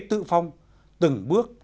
tự phong từng bước